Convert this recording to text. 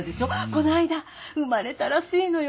こないだ生まれたらしいのよ